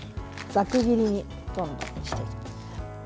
ざく切りにどんどんしていきます。